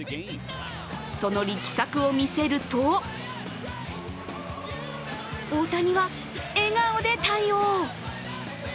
その力作を見せると大谷は笑顔で対応。